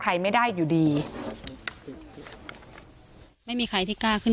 การแก้เคล็ดบางอย่างแค่นั้นเอง